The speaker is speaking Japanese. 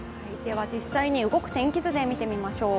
実際に動く天気図で見ていきましょう。